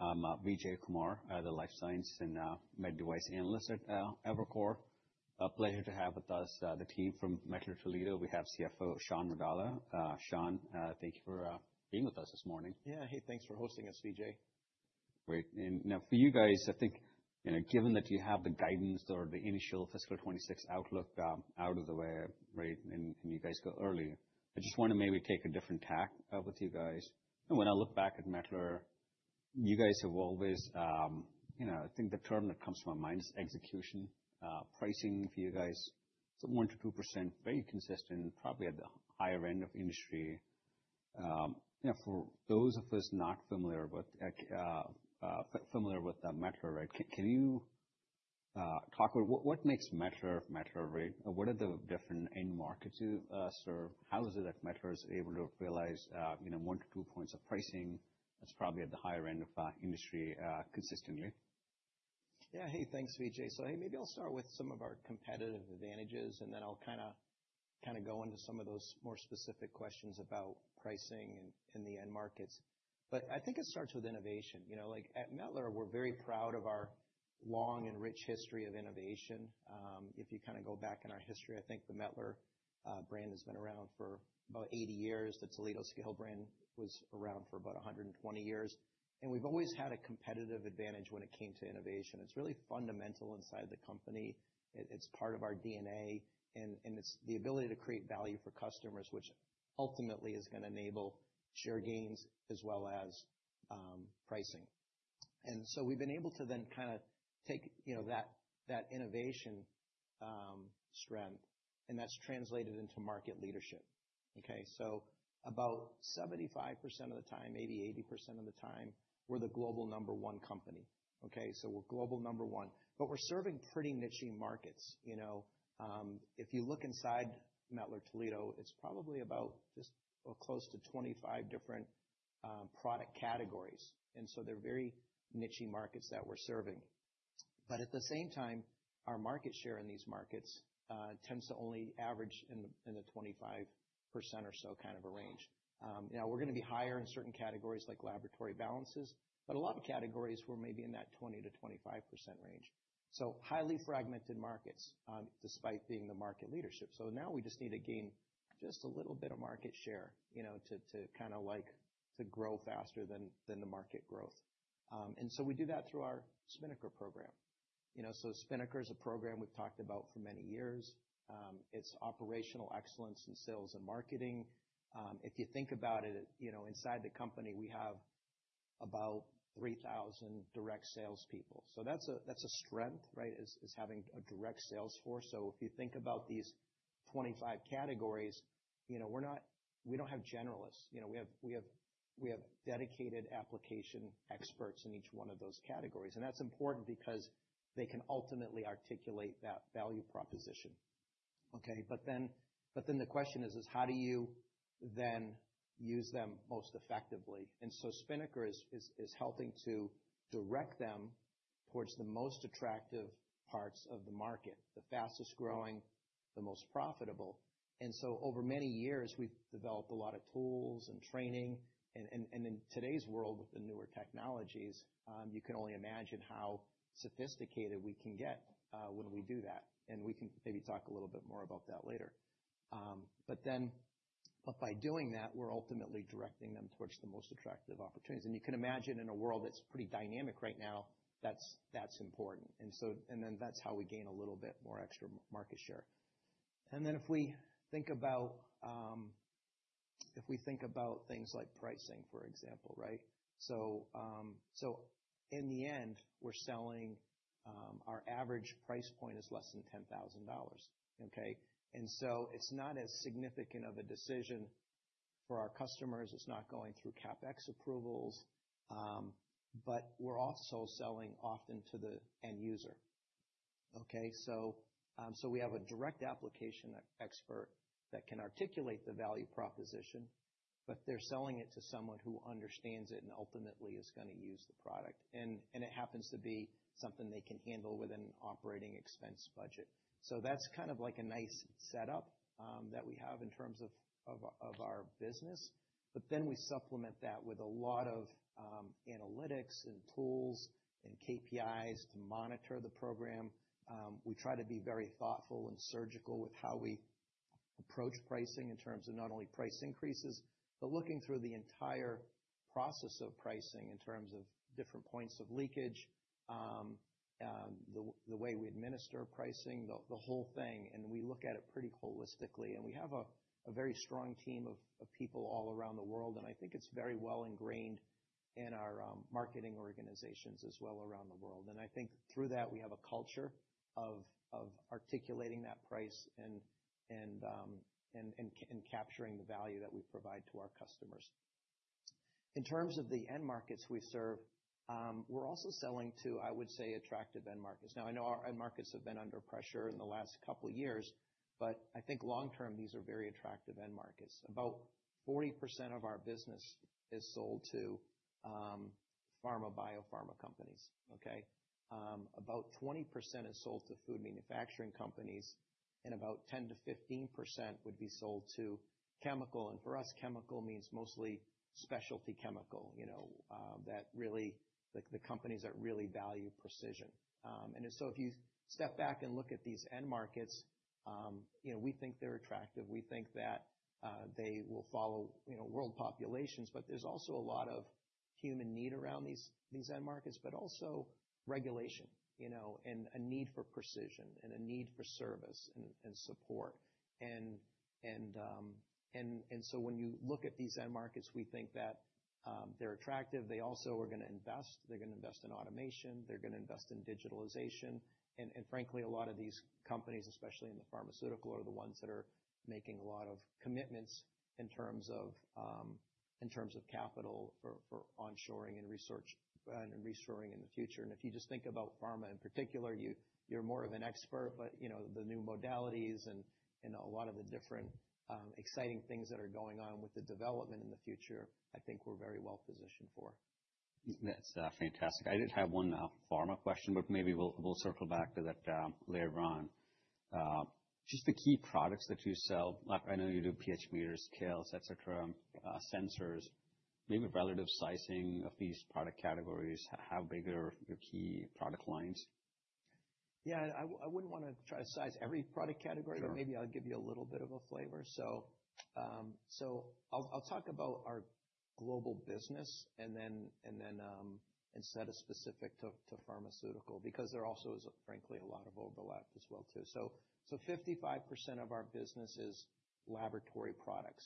I'm Vijay Kumar, the Life Science and Meta Device Analyst at Evercore. A pleasure to have with us the team from Mettler-Toledo. We have CFO Shawn Vadala. Shawn, thank you for being with us this morning. Yeah, hey, thanks for hosting us, Vijay. Great. For you guys, I think, you know, given that you have the guidance or the initial fiscal 2026 outlook out of the way, right, and you guys go early, I just want to maybe take a different tack with you guys. When I look back at Mettler, you guys have always, you know, I think the term that comes to my mind is execution. Pricing for you guys, it is 1-2%, very consistent, probably at the higher end of industry. You know, for those of us not familiar with Mettler, right, can you talk about what makes Mettler Mettler, right? What are the different end markets you serve? How is it that Mettler is able to realize, you know, 1-2 points of pricing? That is probably at the higher end of industry consistently. Yeah, hey, thanks, Vijay. Hey, maybe I'll start with some of our competitive advantages, and then I'll kind of go into some of those more specific questions about pricing and the end markets. I think it starts with innovation. You know, like at Mettler, we're very proud of our long and rich history of innovation. If you kind of go back in our history, I think the Mettler brand has been around for about 80 years. The Toledo Scale brand was around for about 120 years. We've always had a competitive advantage when it came to innovation. It's really fundamental inside the company. It's part of our DNA. It's the ability to create value for customers, which ultimately is going to enable share gains as well as pricing. We've been able to then kind of take, you know, that innovation strength, and that's translated into market leadership. Okay? About 75% of the time, maybe 80% of the time, we're the global number one company. Okay? We're global number one. We're serving pretty niche markets. You know, if you look inside Mettler-Toledo, it's probably about just close to 25 different product categories. They're very niche markets that we're serving. At the same time, our market share in these markets tends to only average in the 25% or so kind of a range. We're going to be higher in certain categories like laboratory balances, but a lot of categories we're maybe in that 20%-25% range. Highly fragmented markets despite being the market leadership. Now we just need to gain just a little bit of market share, you know, to kind of like to grow faster than the market growth. We do that through our Spinnaker program. You know, Spinnaker is a program we've talked about for many years. It's operational excellence in sales and marketing. If you think about it, you know, inside the company, we have about 3,000 direct salespeople. That's a strength, right, is having a direct sales force. If you think about these 25 categories, you know, we don't have generalists. You know, we have dedicated application experts in each one of those categories. That's important because they can ultimately articulate that value proposition. Okay? The question is, how do you then use them most effectively? Spinnaker is helping to direct them towards the most attractive parts of the market, the fastest growing, the most profitable. Over many years, we've developed a lot of tools and training. In today's world, with the newer technologies, you can only imagine how sophisticated we can get when we do that. We can maybe talk a little bit more about that later. By doing that, we're ultimately directing them towards the most attractive opportunities. You can imagine in a world that's pretty dynamic right now, that's important. That's how we gain a little bit more extra market share. If we think about things like pricing, for example, right? In the end, we're selling, our average price point is less than $10,000. Okay? It is not as significant of a decision for our customers. It is not going through CapEx approvals. We are also selling often to the end user. Okay? We have a direct application expert that can articulate the value proposition, but they are selling it to someone who understands it and ultimately is going to use the product. It happens to be something they can handle within an operating expense budget. That is kind of like a nice setup that we have in terms of our business. We supplement that with a lot of analytics and tools and KPIs to monitor the program. We try to be very thoughtful and surgical with how we approach pricing in terms of not only price increases, but looking through the entire process of pricing in terms of different points of leakage, the way we administer pricing, the whole thing. We look at it pretty holistically. We have a very strong team of people all around the world. I think it is very well ingrained in our marketing organizations as well around the world. I think through that, we have a culture of articulating that price and capturing the value that we provide to our customers. In terms of the end markets we serve, we are also selling to, I would say, attractive end markets. Now, I know our end markets have been under pressure in the last couple of years, but I think long-term, these are very attractive end markets. About 40% of our business is sold to pharma/bio-pharma companies. About 20% is sold to food manufacturing companies, and about 10%-15% would be sold to chemical. For us, chemical means mostly specialty chemical, you know, the companies that really value precision. If you step back and look at these end markets, you know, we think they're attractive. We think that they will follow, you know, world populations. There is also a lot of human need around these end markets, but also regulation, you know, and a need for precision and a need for service and support. When you look at these end markets, we think that they're attractive. They also are going to invest. They're going to invest in automation. They're going to invest in digitalization. Frankly, a lot of these companies, especially in the pharmaceutical, are the ones that are making a lot of commitments in terms of capital for onshoring and restoring in the future. If you just think about pharma in particular, you're more of an expert. You know, the new modalities and a lot of the different exciting things that are going on with the development in the future, I think we're very well positioned for. That's fantastic. I did have one pharma question, but maybe we'll circle back to that later on. Just the key products that you sell, I know you do pH meters, scales, etc., sensors. Maybe relative sizing of these product categories, how big are your key product lines? Yeah, I wouldn't want to try to size every product category. Sure. Maybe I'll give you a little bit of a flavor. I'll talk about our global business and then set a specific to pharmaceutical because there also is, frankly, a lot of overlap as well too. 55% of our business is laboratory products.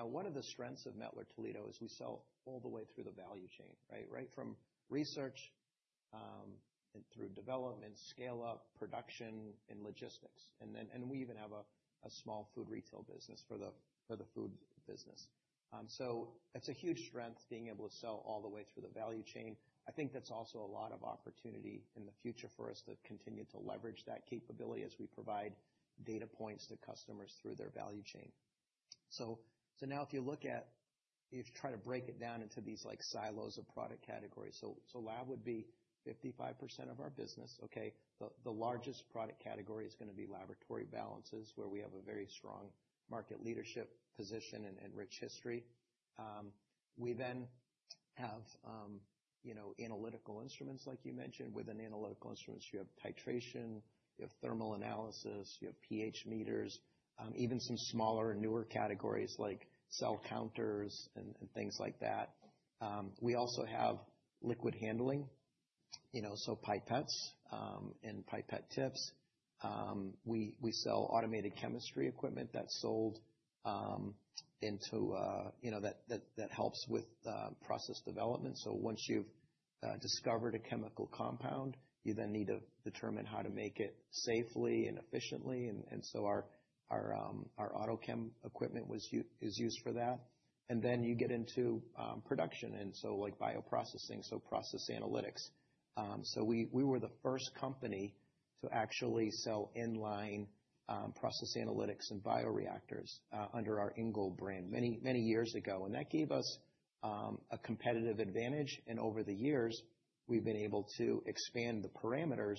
One of the strengths of Mettler-Toledo is we sell all the way through the value chain, right? Right from research and through development, scale-up, production, and logistics. We even have a small food retail business for the food business. That's a huge strength, being able to sell all the way through the value chain. I think that's also a lot of opportunity in the future for us to continue to leverage that capability as we provide data points to customers through their value chain. If you try to break it down into these silos of product categories, lab would be 55% of our business. The largest product category is going to be laboratory balances, where we have a very strong market leadership position and rich history. We then have, you know, analytical instruments, like you mentioned. Within analytical instruments, you have titration, you have thermal analysis, you have pH meters, even some smaller and newer categories like cell counters and things like that. We also have liquid handling, you know, so pipettes and pipette tips. We sell automated chemistry equipment that's sold into, you know, that helps with process development. Once you've discovered a chemical compound, you then need to determine how to make it safely and efficiently. Our AutoChem equipment is used for that. You get into production. Like bioprocessing, so process analytics. We were the first company to actually sell inline process analytics and bioreactors under our Ingold brand many years ago. That gave us a competitive advantage. Over the years, we have been able to expand the parameters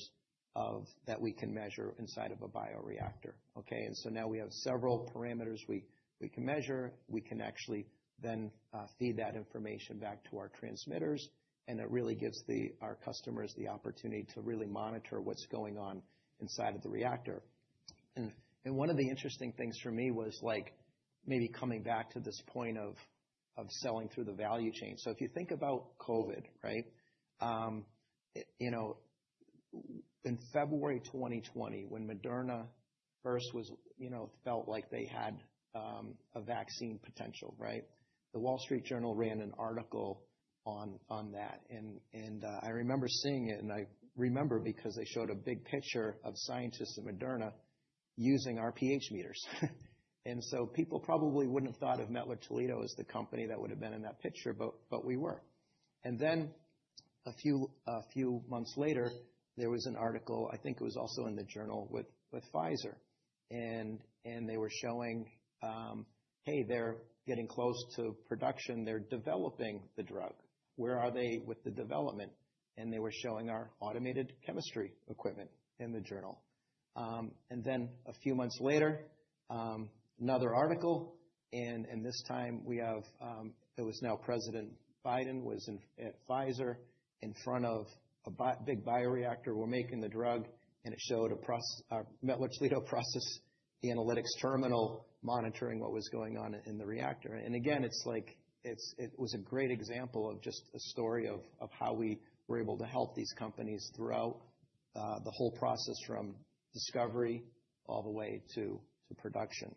that we can measure inside of a bioreactor. Now we have several parameters we can measure. We can actually then feed that information back to our transmitters. It really gives our customers the opportunity to really monitor what's going on inside of the reactor. One of the interesting things for me was maybe coming back to this point of selling through the value chain. If you think about COVID, right, you know, in February 2020, when Moderna first was, you know, felt like they had a vaccine potential, right, The Wall Street Journal ran an article on that. I remember seeing it. I remember because they showed a big picture of scientists at Moderna using our pH meters. People probably would not have thought of Mettler-Toledo as the company that would have been in that picture, but we were. A few months later, there was an article, I think it was also in the Journal with Pfizer. They were showing, hey, they are getting close to production. They are developing the drug. Where are they with the development? They were showing our automated chemistry equipment in the Journal. A few months later, another article. This time we have it was now President Biden was at Pfizer in front of a big bioreactor. We're making the drug. It showed a Mettler-Toledo process analytics terminal monitoring what was going on in the reactor. It was a great example of just a story of how we were able to help these companies throughout the whole process from discovery all the way to production.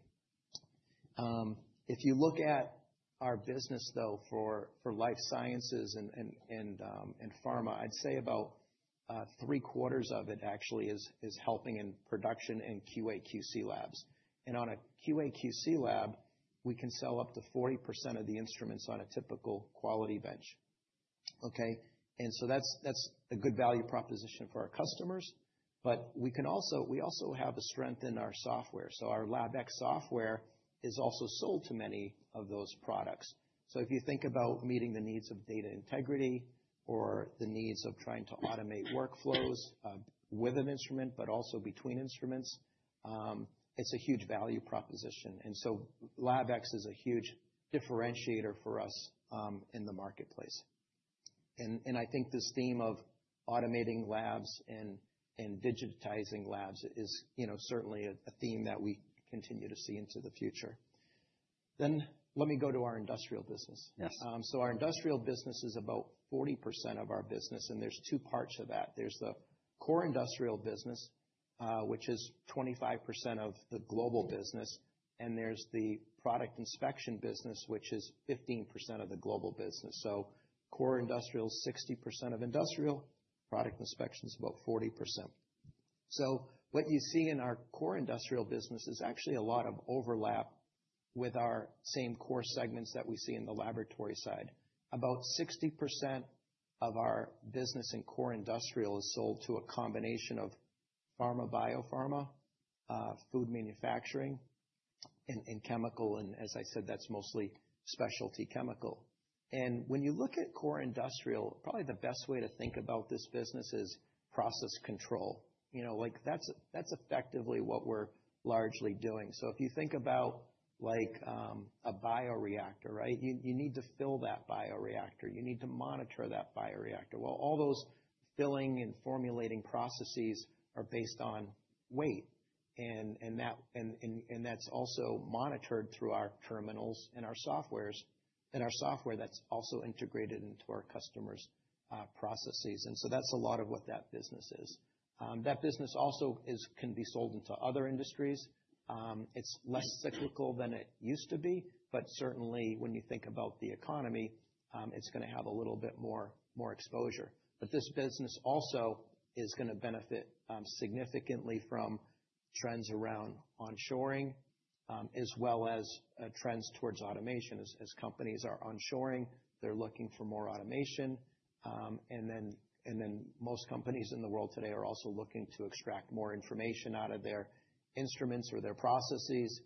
If you look at our business, though, for life sciences and pharma, I'd say about three quarters of it actually is helping in production in QAQC labs. On a QAQC lab, we can sell up to 40% of the instruments on a typical quality bench. That's a good value proposition for our customers. We also have a strength in our software. Our LabX software is also sold to many of those products. If you think about meeting the needs of data integrity or the needs of trying to automate workflows with an instrument, but also between instruments, it is a huge value proposition. LabX is a huge differentiator for us in the marketplace. I think this theme of automating labs and digitizing labs is, you know, certainly a theme that we continue to see into the future. Let me go to our industrial business. Yes. Our industrial business is about 40% of our business. There are two parts of that. There is the core industrial business, which is 25% of the global business, and there is the product inspection business, which is 15% of the global business. Core industrial is 60% of industrial. Product inspection is about 40%. What you see in our core industrial business is actually a lot of overlap with our same core segments that we see in the laboratory side. About 60% of our business in core industrial is sold to a combination of pharma/bio-pharma, food manufacturing, and chemical. As I said, that is mostly specialty chemical. When you look at core industrial, probably the best way to think about this business is process control. You know, like that is effectively what we are largely doing. If you think about like a bioreactor, right, you need to fill that bioreactor. You need to monitor that bioreactor. All those filling and formulating processes are based on weight. That is also monitored through our terminals and our software. Our software is also integrated into our customers' processes. That is a lot of what that business is. That business also can be sold into other industries. It is less cyclical than it used to be. Certainly, when you think about the economy, it is going to have a little bit more exposure. This business also is going to benefit significantly from trends around onshoring, as well as trends towards automation. As companies are onshoring, they are looking for more automation. Most companies in the world today are also looking to extract more information out of their instruments or their processes.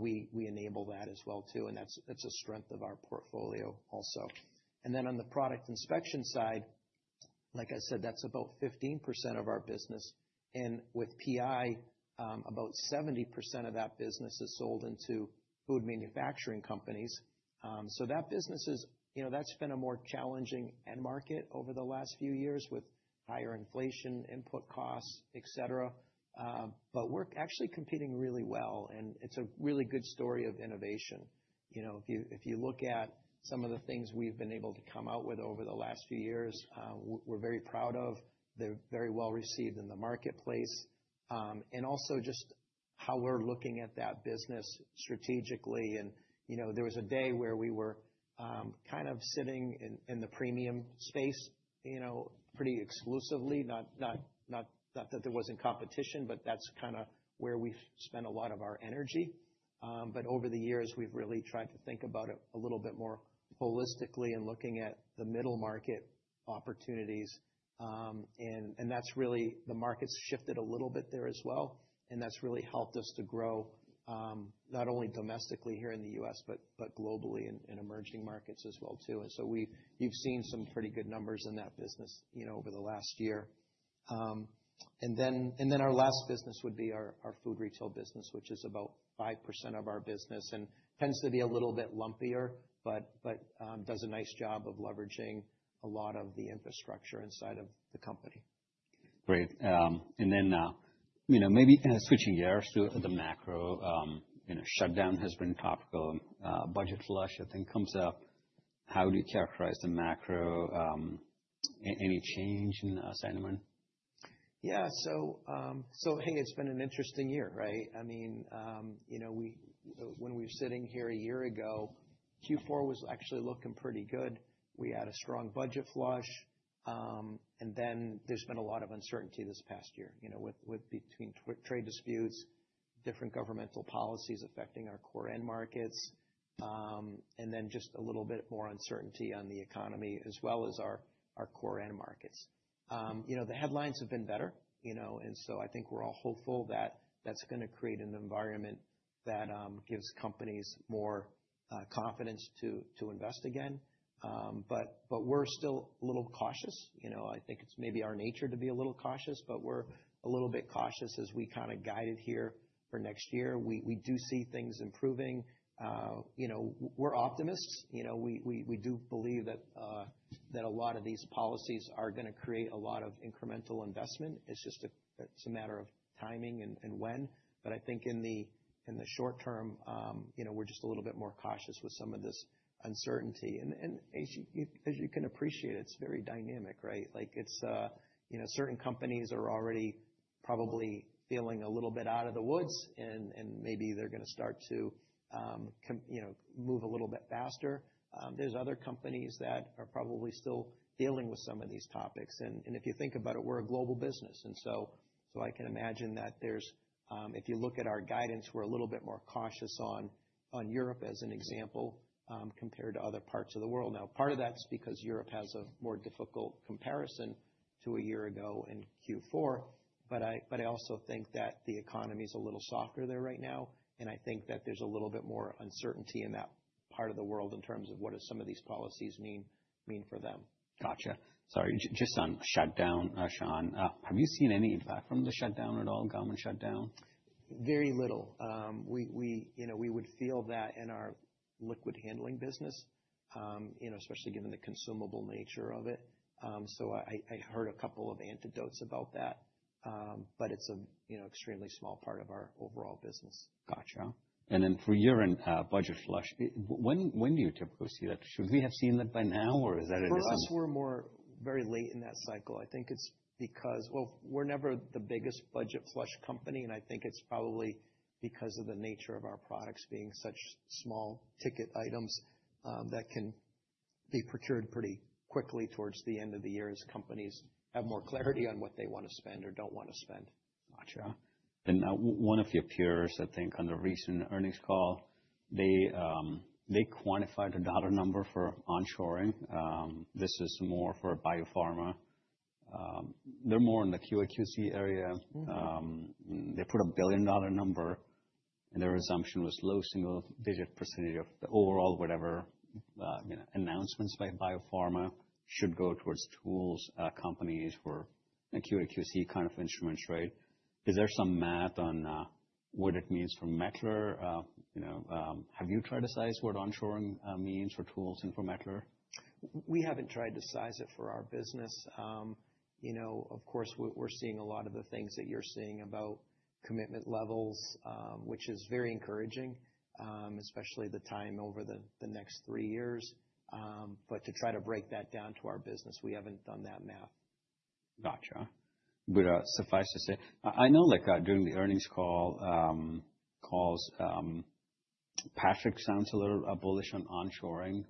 We enable that as well. That is a strength of our portfolio also. On the product inspection side, like I said, that's about 15% of our business. With PI, about 70% of that business is sold into food manufacturing companies. That business is, you know, that's been a more challenging end market over the last few years with higher inflation, input costs, etc. We're actually competing really well. It's a really good story of innovation. If you look at some of the things we've been able to come out with over the last few years, we're very proud of them. They're very well received in the marketplace. Also, just how we're looking at that business strategically. You know, there was a day where we were kind of sitting in the premium space, you know, pretty exclusively. Not that there wasn't competition, but that's kind of where we spent a lot of our energy. Over the years, we've really tried to think about it a little bit more holistically and looking at the middle market opportunities. That's really the market's shifted a little bit there as well. That's really helped us to grow not only domestically here in the U.S., but globally in emerging markets as well too. You've seen some pretty good numbers in that business, you know, over the last year. Our last business would be our food retail business, which is about 5% of our business and tends to be a little bit lumpier, but does a nice job of leveraging a lot of the infrastructure inside of the company. Great. You know, maybe switching gears to the macro, you know, shutdown has been topical. Budget flush, I think, comes up. How do you characterize the macro? Any change in sentiment? Yeah. Hey, it's been an interesting year, right? I mean, you know, when we were sitting here a year ago, Q4 was actually looking pretty good. We had a strong budget flush. There has been a lot of uncertainty this past year, you know, with trade disputes, different governmental policies affecting our core end markets, and then just a little bit more uncertainty on the economy as well as our core end markets. You know, the headlines have been better, you know. I think we're all hopeful that that's going to create an environment that gives companies more confidence to invest again. We're still a little cautious. You know, I think it's maybe our nature to be a little cautious. We're a little bit cautious as we kind of guided here for next year. We do see things improving. You know, we're optimists. You know, we do believe that a lot of these policies are going to create a lot of incremental investment. It's just a matter of timing and when. I think in the short term, you know, we're just a little bit more cautious with some of this uncertainty. As you can appreciate, it's very dynamic, right? Like it's, you know, certain companies are already probably feeling a little bit out of the woods. Maybe they're going to start to, you know, move a little bit faster. There's other companies that are probably still dealing with some of these topics. If you think about it, we're a global business. I can imagine that if you look at our guidance, we're a little bit more cautious on Europe as an example compared to other parts of the world. Now, part of that's because Europe has a more difficult comparison to a year ago in Q4. I also think that the economy is a little softer there right now. I think that there's a little bit more uncertainty in that part of the world in terms of what some of these policies mean for them. Gotcha. Sorry. Just on shutdown, Shawn, have you seen any impact from the shutdown at all, government shutdown? Very little. You know, we would feel that in our liquid handling business, you know, especially given the consumable nature of it. I heard a couple of anecdotes about that. It is a, you know, extremely small part of our overall business. Gotcha. For your budget flush, when do you typically see that? Should we have seen that by now, or is that different? For us, we're more very late in that cycle. I think it's because, well, we're never the biggest budget flush company. I think it's probably because of the nature of our products being such small ticket items that can be procured pretty quickly towards the end of the year as companies have more clarity on what they want to spend or don't want to spend. Gotcha. One of your peers, I think, on the recent earnings call, they quantified the dollar number for onshoring. This is more for biopharma. They're more in the QA/QC area. They put a $1 billion number. Their assumption was low single digit % of the overall whatever announcements by biopharma should go towards tools companies for QA/QC kind of instruments, right? Is there some math on what it means for Mettler? You know, have you tried to size what onshoring means for tools and for Mettler? We haven't tried to size it for our business. You know, of course, we're seeing a lot of the things that you're seeing about commitment levels, which is very encouraging, especially the time over the next three years. To try to break that down to our business, we haven't done that math. Gotcha. Suffice to say, I know like during the earnings calls, Patrick sounds a little bullish on onshoring,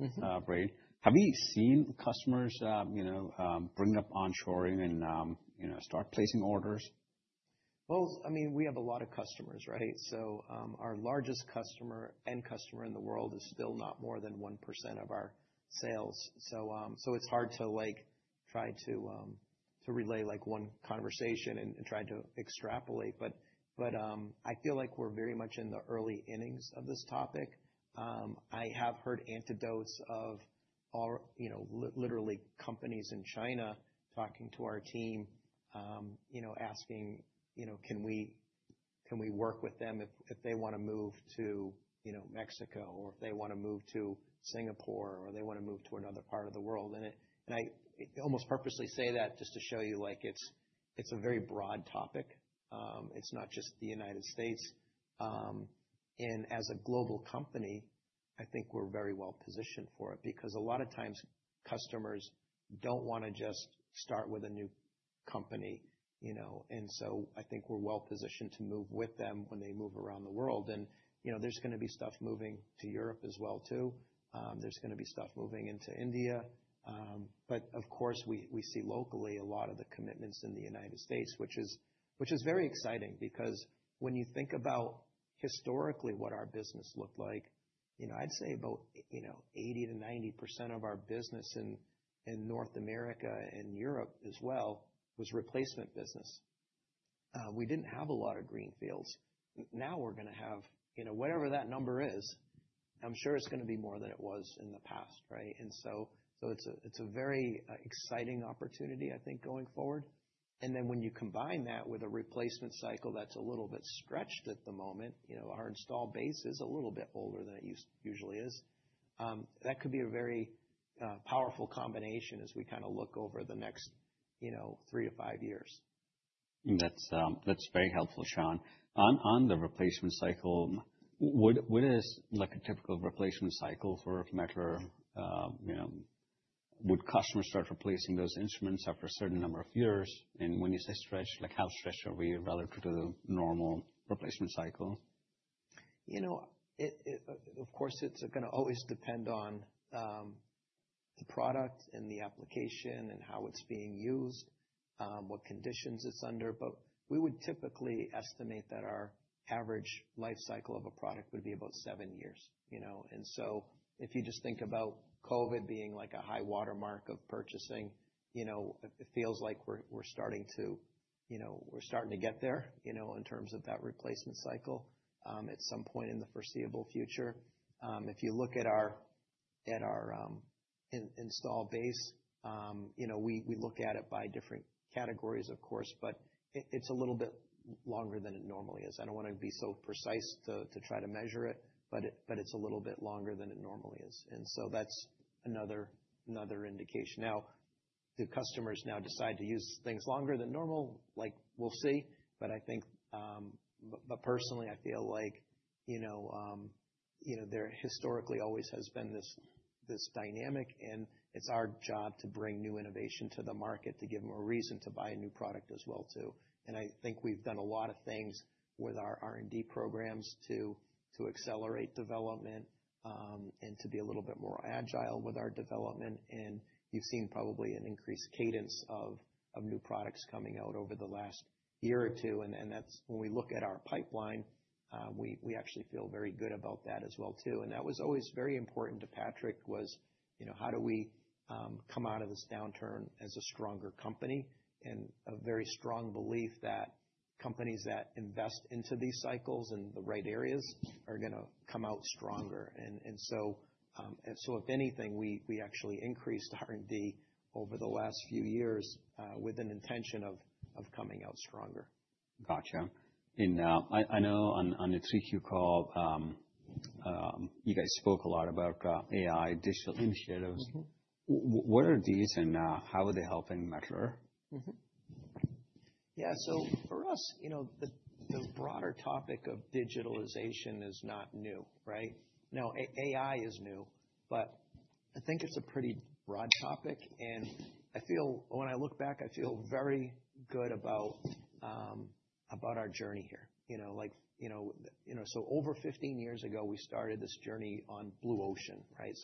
right? Have you seen customers, you know, bring up onshoring and, you know, start placing orders? I mean, we have a lot of customers, right? Our largest customer and customer in the world is still not more than 1% of our sales. It's hard to like try to relay like one conversation and try to extrapolate. I feel like we're very much in the early innings of this topic. I have heard anecdotes of, you know, literally companies in China talking to our team, you know, asking, you know, can we work with them if they want to move to, you know, Mexico, or if they want to move to Singapore, or they want to move to another part of the world. I almost purposely say that just to show you like it's a very broad topic. It's not just the United States. As a global company, I think we're very well positioned for it because a lot of times customers don't want to just start with a new company, you know. I think we're well positioned to move with them when they move around the world. You know, there's going to be stuff moving to Europe as well too. There's going to be stuff moving into India. Of course, we see locally a lot of the commitments in the United States, which is very exciting because when you think about historically what our business looked like, you know, I'd say about, you know, 80-90% of our business in North America and Europe as well was replacement business. We didn't have a lot of greenfields. Now we're going to have, you know, whatever that number is, I'm sure it's going to be more than it was in the past, right? It's a very exciting opportunity, I think, going forward. When you combine that with a replacement cycle that's a little bit stretched at the moment, you know, our install base is a little bit older than it usually is. That could be a very powerful combination as we kind of look over the next, you know, three to five years. That's very helpful, Shawn. On the replacement cycle, what is like a typical replacement cycle for Mettler? You know, would customers start replacing those instruments after a certain number of years? When you say stretched, like how stretched are we relative to the normal replacement cycle? You know, of course, it is going to always depend on the product and the application and how it is being used, what conditions it is under. We would typically estimate that our average life cycle of a product would be about seven years, you know. If you just think about COVID being like a high watermark of purchasing, you know, it feels like we are starting to, you know, we are starting to get there, you know, in terms of that replacement cycle at some point in the foreseeable future. If you look at our install base, you know, we look at it by different categories, of course. It is a little bit longer than it normally is. I do not want to be so precise to try to measure it. It is a little bit longer than it normally is. That is another indication. Now, do customers now decide to use things longer than normal? Like we'll see. I think, personally, I feel like, you know, you know, there historically always has been this dynamic. It is our job to bring new innovation to the market to give more reason to buy a new product as well too. I think we've done a lot of things with our R&D programs to accelerate development and to be a little bit more agile with our development. You've seen probably an increased cadence of new products coming out over the last year or two. When we look at our pipeline, we actually feel very good about that as well too. That was always very important to Patrick was, you know, how do we come out of this downturn as a stronger company? is a very strong belief that companies that invest into these cycles in the right areas are going to come out stronger. If anything, we actually increased R&D over the last few years with an intention of coming out stronger. Gotcha. I know on the three-year call, you guys spoke a lot about AI, digital initiatives. What are these and how are they helping Mettler? Yeah. For us, you know, the broader topic of digitalization is not new, right? Now, AI is new. I think it's a pretty broad topic. I feel when I look back, I feel very good about our journey here. You know, like, you know, over 15 years ago, we started this journey on Blue Ocean, right?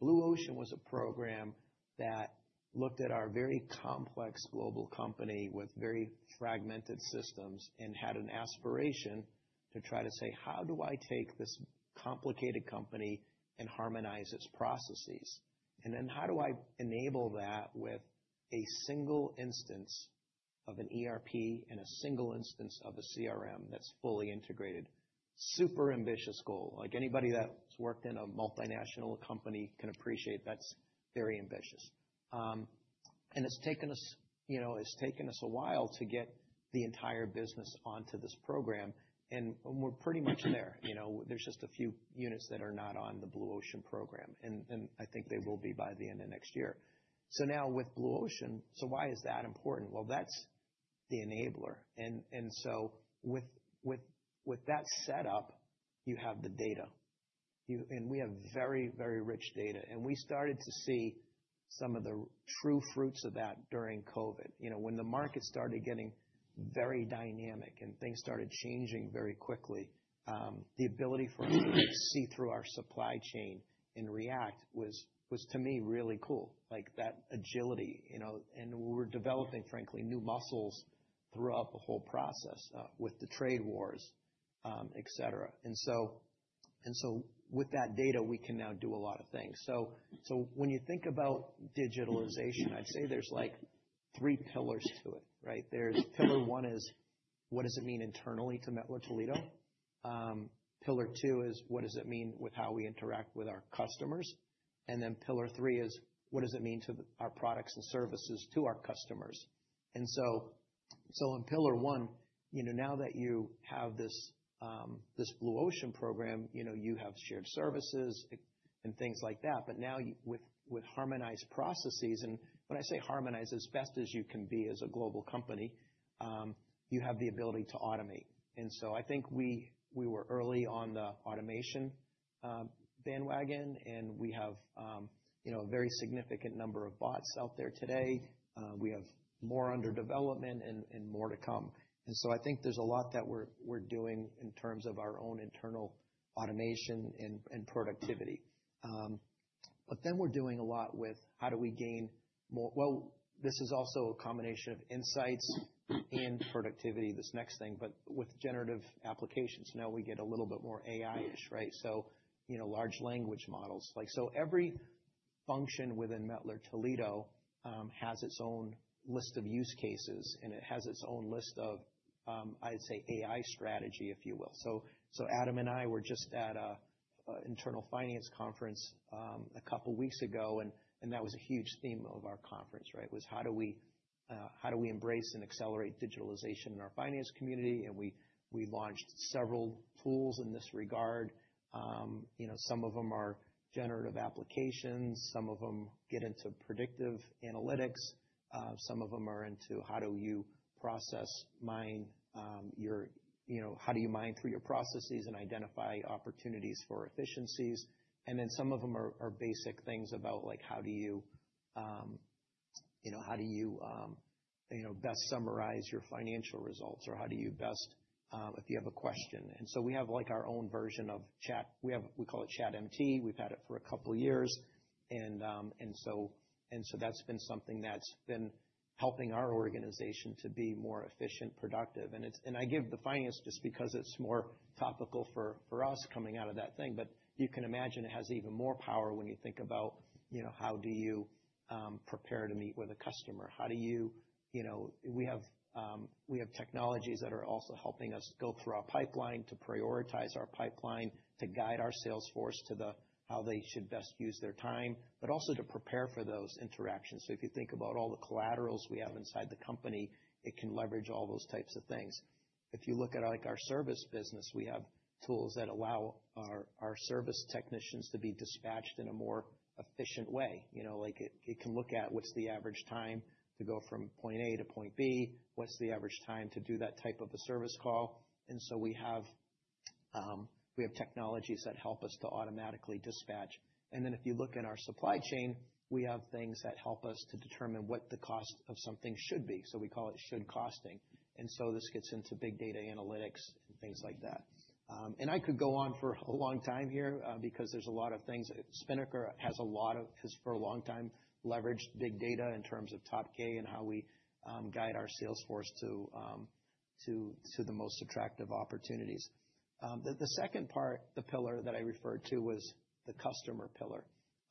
Blue Ocean was a program that looked at our very complex global company with very fragmented systems and had an aspiration to try to say, how do I take this complicated company and harmonize its processes? Then how do I enable that with a single instance of an ERP and a single instance of a CRM that's fully integrated? Super ambitious goal. Like anybody that's worked in a multinational company can appreciate that's very ambitious. It has taken us, you know, it has taken us a while to get the entire business onto this program. We are pretty much there. You know, there are just a few units that are not on the Blue Ocean program. I think they will be by the end of next year. Now with Blue Ocean, why is that important? That is the enabler. With that setup, you have the data. We have very, very rich data. We started to see some of the true fruits of that during COVID. You know, when the market started getting very dynamic and things started changing very quickly, the ability for us to see through our supply chain and react was, to me, really cool. That agility, you know. We are developing, frankly, new muscles throughout the whole process with the trade wars, et cetera. With that data, we can now do a lot of things. When you think about digitalization, I'd say there's like three pillars to it, right? There's pillar one is, what does it mean internally to Mettler-Toledo? Pillar two is, what does it mean with how we interact with our customers? And then pillar three is, what does it mean to our products and services to our customers? In pillar one, you know, now that you have this Blue Ocean program, you know, you have shared services and things like that. Now with harmonized processes, and when I say harmonize, as best as you can be as a global company, you have the ability to automate. I think we were early on the automation bandwagon. We have, you know, a very significant number of bots out there today. We have more under development and more to come. I think there's a lot that we're doing in terms of our own internal automation and productivity. We're doing a lot with how do we gain more? This is also a combination of insights and productivity, this next thing. With generative applications, now we get a little bit more AI-ish, right? You know, large language models. Like so every function within Mettler-Toledo has its own list of use cases. It has its own list of, I'd say, AI strategy, if you will. Adam and I were just at an internal finance conference a couple of weeks ago. That was a huge theme of our conference, right? How do we embrace and accelerate digitalization in our finance community? We launched several tools in this regard. You know, some of them are generative applications. Some of them get into predictive analytics. Some of them are into how do you process, mine, your, you know, how do you mine through your processes and identify opportunities for efficiencies? Some of them are basic things about like how do you, you know, how do you, you know, best summarize your financial results or how do you best, if you have a question? We have like our own version of chat. We call it ChatMT. We've had it for a couple of years. That's been something that's been helping our organization to be more efficient, productive. I give the finance just because it's more topical for us coming out of that thing. You can imagine it has even more power when you think about, you know, how do you prepare to meet with a customer? How do you, you know, we have technologies that are also helping us go through our pipeline to prioritize our pipeline, to guide our salesforce to how they should best use their time, but also to prepare for those interactions. If you think about all the collaterals we have inside the company, it can leverage all those types of things. If you look at like our service business, we have tools that allow our service technicians to be dispatched in a more efficient way. You know, like it can look at what's the average time to go from point A to point B, what's the average time to do that type of a service call. We have technologies that help us to automatically dispatch. If you look at our supply chain, we have things that help us to determine what the cost of something should be. We call it should costing. This gets into big data analytics and things like that. I could go on for a long time here because there are a lot of things. Spinnaker has for a long time leveraged big data in terms of Top Gay and how we guide our salesforce to the most attractive opportunities. The second part, the pillar that I referred to, was the customer pillar.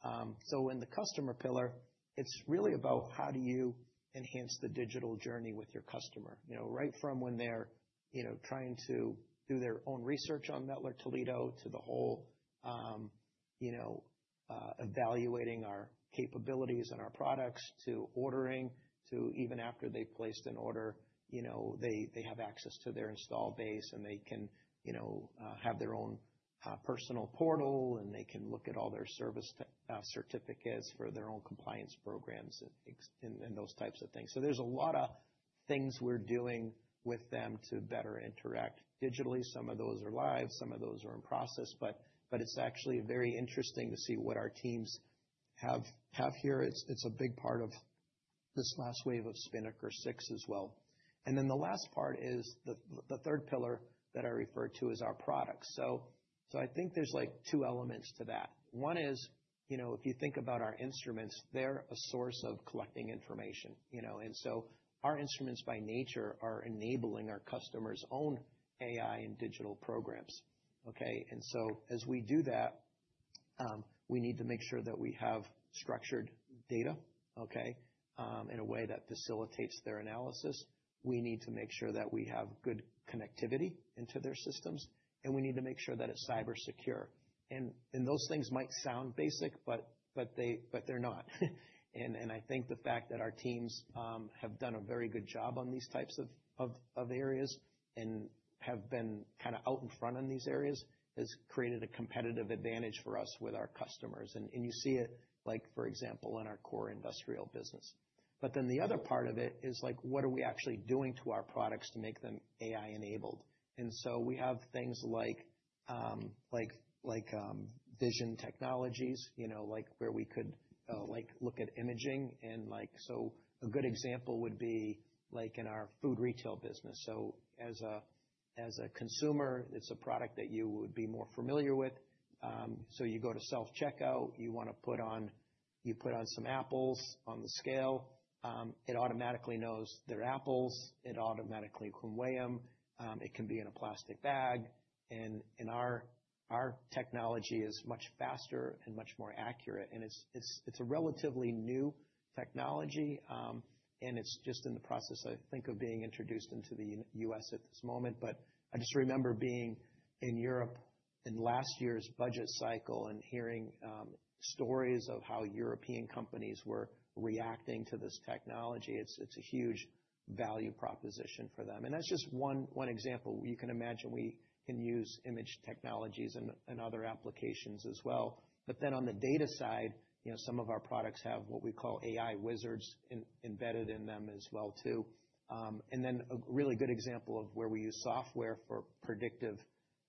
In the customer pillar, it's really about how do you enhance the digital journey with your customer, you know, right from when they're, you know, trying to do their own research on Mettler-Toledo to the whole, you know, evaluating our capabilities and our products to ordering, to even after they placed an order, you know, they have access to their install base and they can, you know, have their own personal portal and they can look at all their service certificates for their own compliance programs and those types of things. There are a lot of things we're doing with them to better interact digitally. Some of those are live. Some of those are in process. It's actually very interesting to see what our teams have here. It's a big part of this last wave of Spinnaker 6 as well. The last part is the third pillar that I referred to as our products. I think there's like two elements to that. One is, you know, if you think about our instruments, they're a source of collecting information, you know. Our instruments by nature are enabling our customers' own AI and digital programs, okay? As we do that, we need to make sure that we have structured data, okay, in a way that facilitates their analysis. We need to make sure that we have good connectivity into their systems. We need to make sure that it's cyber secure. Those things might sound basic, but they're not. I think the fact that our teams have done a very good job on these types of areas and have been kind of out in front on these areas has created a competitive advantage for us with our customers. You see it, like for example, in our core industrial business. The other part of it is like what are we actually doing to our products to make them AI-enabled? We have things like vision technologies, you know, like where we could like look at imaging. Like a good example would be like in our food retail business. As a consumer, it is a product that you would be more familiar with. You go to self-checkout, you want to put on, you put on some apples on the scale. It automatically knows they are apples. It automatically can weigh them. It can be in a plastic bag. Our technology is much faster and much more accurate. It is a relatively new technology. It is just in the process, I think, of being introduced into the U.S. at this moment. I just remember being in Europe in last year's budget cycle and hearing stories of how European companies were reacting to this technology. It is a huge value proposition for them. That is just one example. You can imagine we can use image technologies and other applications as well. On the data side, you know, some of our products have what we call AI wizards embedded in them as well too. A really good example of where we use software for predictive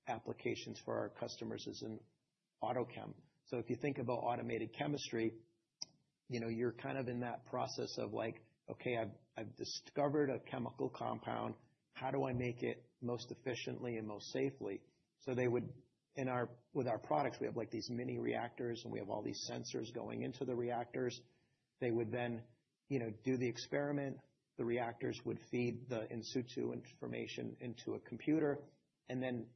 applications for our customers is in AutoChem. If you think about automated chemistry, you know, you're kind of in that process of like, okay, I've discovered a chemical compound. How do I make it most efficiently and most safely? They would, in our, with our products, we have like these mini reactors and we have all these sensors going into the reactors. They would then, you know, do the experiment. The reactors would feed the in-situ information into a computer.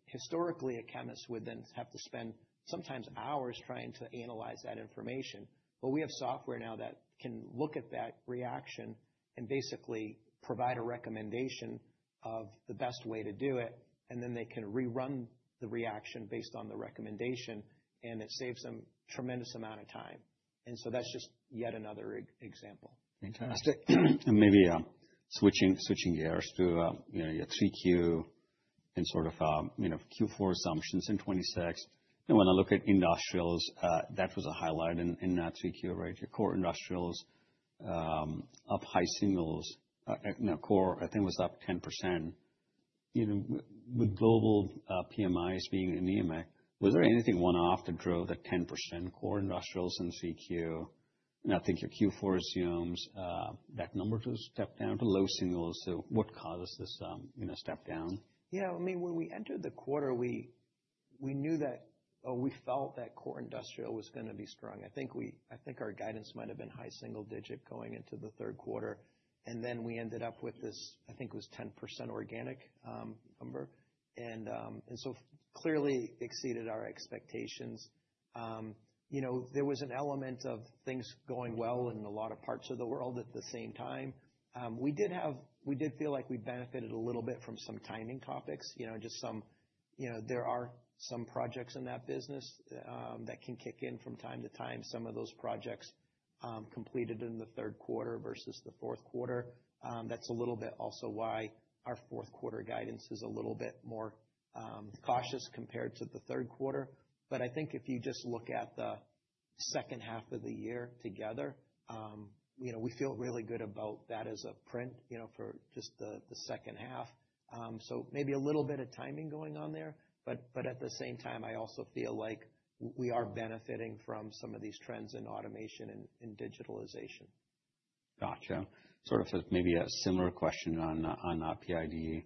Historically, a chemist would then have to spend sometimes hours trying to analyze that information. We have software now that can look at that reaction and basically provide a recommendation of the best way to do it. They can rerun the reaction based on the recommendation. It saves them a tremendous amount of time. That's just yet another example. Fantastic. Maybe switching gears to, you know, your 3Q and sort of, you know, Q4 assumptions in 2026. When I look at industrials, that was a highlight in that 3Q, right? Your core industrials up high singles, you know, core I think was up 10%. You know, with global PMIs being anemic, was there anything one-off that drove that 10% core industrials in 3Q? I think your Q4 assumes that number to step down to low singles. What causes this, you know, step down? Yeah. I mean, when we entered the quarter, we knew that, oh, we felt that core industrial was going to be strong. I think we, I think our guidance might have been high single digit going into the third quarter. I think we ended up with this, I think it was 10% organic number. Clearly exceeded our expectations. You know, there was an element of things going well in a lot of parts of the world at the same time. We did have, we did feel like we benefited a little bit from some timing topics, you know, just some, you know, there are some projects in that business that can kick in from time to time. Some of those projects completed in the third quarter versus the fourth quarter. That's a little bit also why our fourth quarter guidance is a little bit more cautious compared to the third quarter. I think if you just look at the second half of the year together, you know, we feel really good about that as a print, you know, for just the second half. Maybe a little bit of timing going on there. At the same time, I also feel like we are benefiting from some of these trends in automation and digitalization. Gotcha. Sort of maybe a similar question on PID.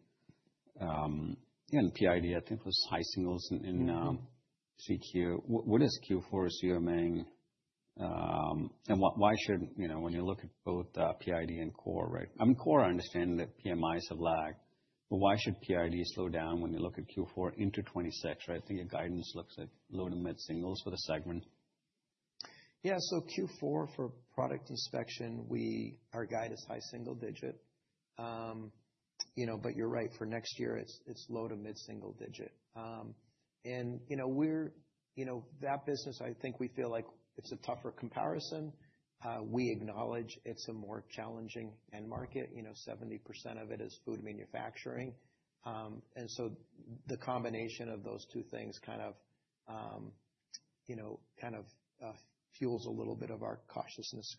Yeah, and PID, I think it was high singles in Q3. What is Q4's your main? And why should, you know, when you look at both PID and core, right? I mean, core I understand that PMIs have lagged, but why should PID slow down when you look at Q4 into 2026, right? I think your guidance looks like low to mid singles for the segment. Yeah. Q4 for product inspection, our guide is high single digit. You know, but you're right, for next year, it's low to mid single digit. You know, we're, you know, that business, I think we feel like it's a tougher comparison. We acknowledge it's a more challenging end market. You know, 70% of it is food manufacturing. The combination of those two things kind of, you know, kind of fuels a little bit of our cautiousness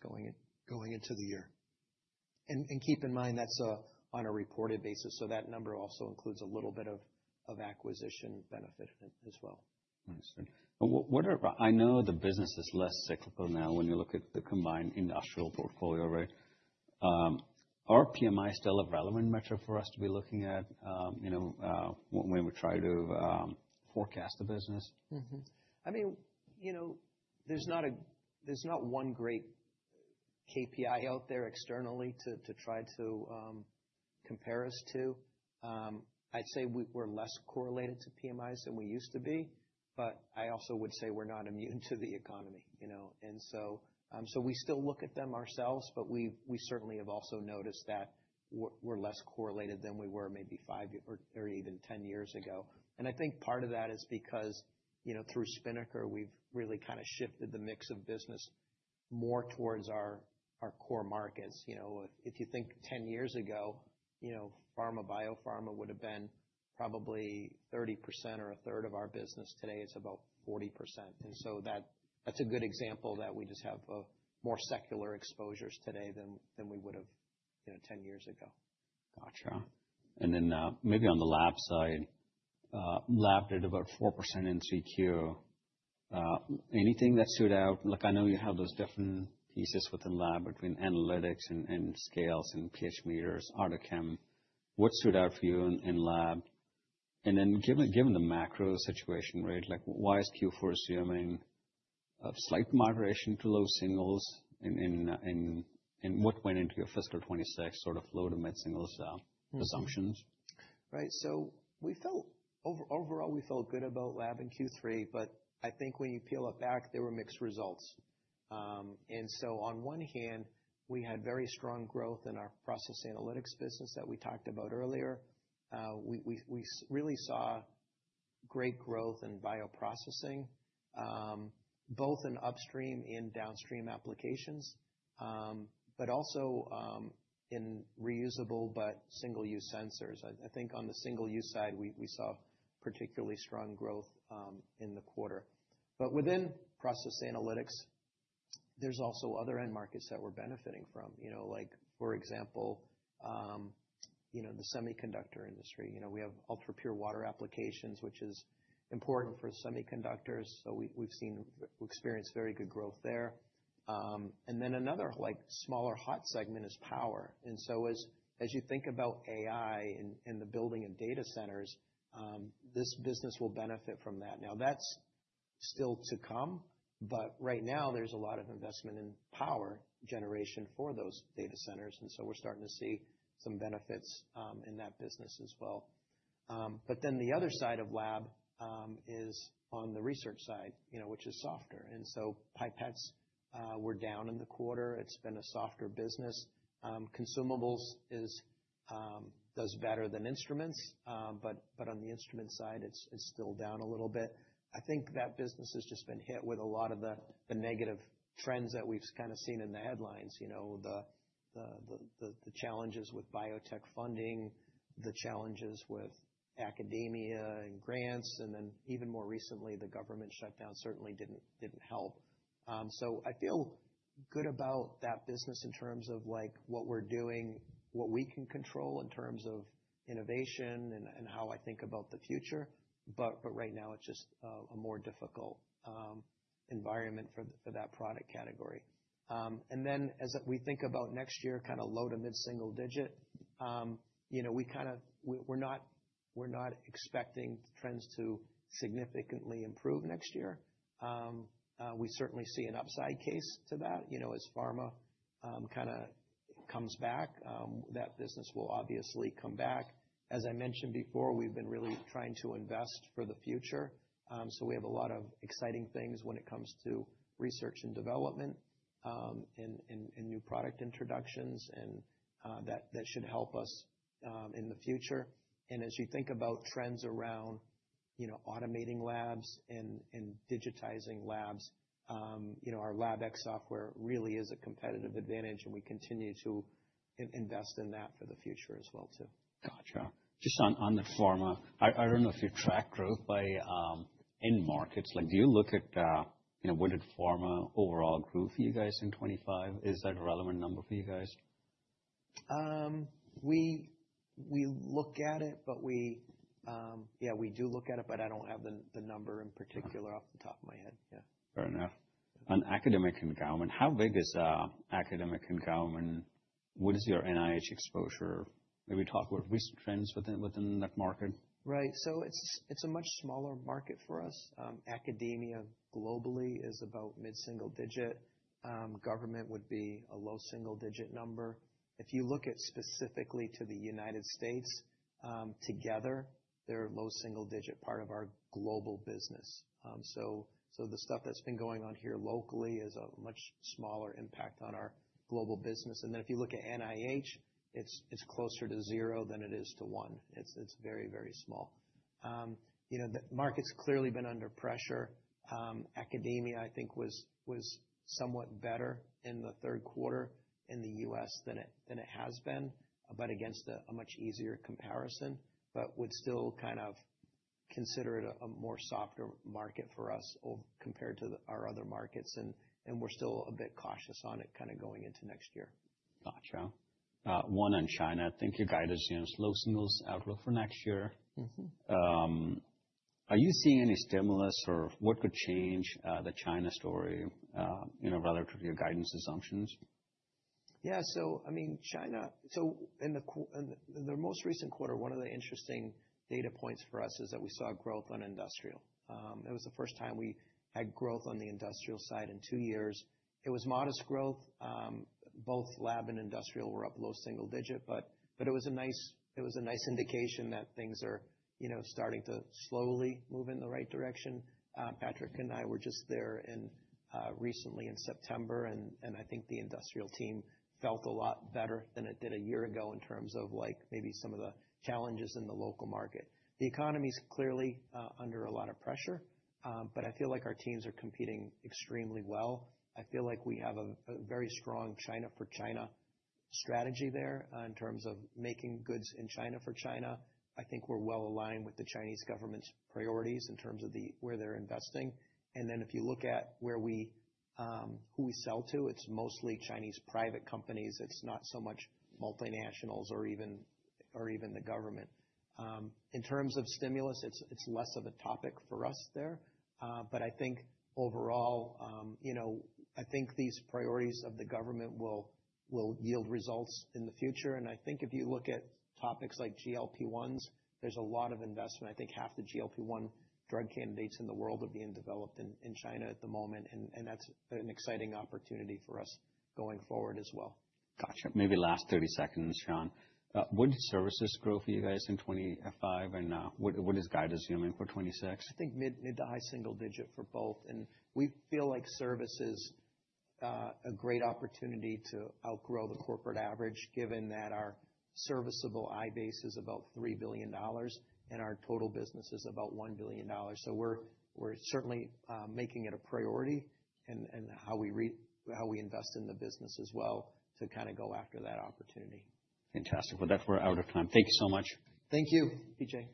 going into the year. Keep in mind that's on a reported basis. That number also includes a little bit of acquisition benefit as well. I see. I know the business is less cyclical now when you look at the combined industrial portfolio, right? Are PMIs still a relevant metric for us to be looking at, you know, when we try to forecast the business? I mean, you know, there's not a, there's not one great KPI out there externally to try to compare us to. I'd say we're less correlated to PMIs than we used to be. I also would say we're not immune to the economy, you know. We still look at them ourselves, but we certainly have also noticed that we're less correlated than we were maybe five or even ten years ago. I think part of that is because, you know, through Spinnaker, we've really kind of shifted the mix of business more towards our core markets. You know, if you think ten years ago, you know, pharma biopharma would have been probably 30% or a third of our business. Today, it's about 40%. That's a good example that we just have more secular exposures today than we would have, you know, ten years ago. Gotcha. Maybe on the lab side, lab did about 4% in 3Q. Anything that stood out? Like I know you have those different pieces within lab between analytics and scales and pH meters, AutoChem. What stood out for you in lab? Given the macro situation, right? Like why is Q4 assuming a slight moderation to low singles? What went into your fiscal 2026 sort of low to mid singles assumptions? Right. We felt overall, we felt good about lab in Q3, but I think when you peel it back, there were mixed results. On one hand, we had very strong growth in our process analytics business that we talked about earlier. We really saw great growth in bioprocessing, both in upstream and downstream applications, but also in reusable but single-use sensors. I think on the single-use side, we saw particularly strong growth in the quarter. Within process analytics, there are also other end markets that we are benefiting from, you know, like for example, you know, the semiconductor industry. You know, we have ultra-pure water applications, which is important for semiconductors. We experienced very good growth there. Another smaller hot segment is power. As you think about AI and the building of data centers, this business will benefit from that. Now that's still to come, but right now there's a lot of investment in power generation for those data centers. We're starting to see some benefits in that business as well. The other side of lab is on the research side, you know, which is softer. Pipettes were down in the quarter. It's been a softer business. Consumables does better than instruments, but on the instrument side, it's still down a little bit. I think that business has just been hit with a lot of the negative trends that we've kind of seen in the headlines, you know, the challenges with biotech funding, the challenges with academia and grants, and then even more recently, the government shutdown certainly didn't help. I feel good about that business in terms of like what we're doing, what we can control in terms of innovation and how I think about the future. Right now, it's just a more difficult environment for that product category. As we think about next year, kind of low to mid single digit, you know, we kind of, we're not expecting trends to significantly improve next year. We certainly see an upside case to that, you know, as pharma kind of comes back. That business will obviously come back. As I mentioned before, we've been really trying to invest for the future. We have a lot of exciting things when it comes to research and development and new product introductions and that should help us in the future. As you think about trends around, you know, automating labs and digitizing labs, you know, our LabX software really is a competitive advantage. We continue to invest in that for the future as well too. Gotcha. Just on the pharma, I don't know if you track growth by end markets. Like do you look at, you know, would it pharma overall growth for you guys in 2025? Is that a relevant number for you guys? We look at it, yeah, we do look at it, but I don't have the number in particular off the top of my head. Yeah. Fair enough. On academic endowment, how big is academic endowment? What is your NIH exposure? Maybe talk about recent trends within that market. Right. It is a much smaller market for us. Academia globally is about mid single digit. Government would be a low single digit number. If you look specifically at the United States together, they are a low single digit part of our global business. The stuff that has been going on here locally is a much smaller impact on our global business. If you look at NIH, it is closer to zero than it is to one. It is very, very small. You know, the market has clearly been under pressure. Academia, I think, was somewhat better in the third quarter in the U.S. than it has been, but against a much easier comparison, but would still kind of consider it a more softer market for us compared to our other markets. We are still a bit cautious on it going into next year. Gotcha. One on China. I think your guide assumes low singles outlook for next year. Are you seeing any stimulus or what could change the China story, you know, relative to your guidance assumptions? Yeah. I mean, China, in the most recent quarter, one of the interesting data points for us is that we saw growth on industrial. It was the first time we had growth on the industrial side in two years. It was modest growth. Both lab and industrial were up low single digit, but it was a nice indication that things are, you know, starting to slowly move in the right direction. Patrick and I were just there recently in September, and I think the industrial team felt a lot better than it did a year ago in terms of like maybe some of the challenges in the local market. The economy's clearly under a lot of pressure, but I feel like our teams are competing extremely well. I feel like we have a very strong China for China strategy there in terms of making goods in China for China. I think we're well aligned with the Chinese government's priorities in terms of where they're investing. If you look at where we, who we sell to, it's mostly Chinese private companies. It's not so much multinationals or even the government. In terms of stimulus, it's less of a topic for us there. I think overall, you know, I think these priorities of the government will yield results in the future. I think if you look at topics like GLP-1s, there's a lot of investment. I think half the GLP-1 drug candidates in the world are being developed in China at the moment. That's an exciting opportunity for us going forward as well. Gotcha. Maybe last 30 seconds, Shawn. Would services grow for you guys in 2025? And what is guidance assuming for 2026? I think mid to high single digit for both. We feel like service is a great opportunity to outgrow the corporate average given that our serviceable IBASE is about $3 billion and our total business is about $1 billion. We are certainly making it a priority in how we invest in the business as well to kind of go after that opportunity. Fantastic. That is where we are out of time. Thank you so much. Thank you, PJ.